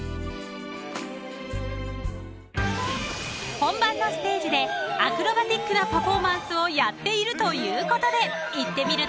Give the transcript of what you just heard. ［本番のステージでアクロバティックなパフォーマンスをやっているということで行ってみると］